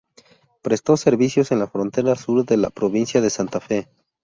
Prestó servicios en la frontera sur de la provincia de Santa Fe.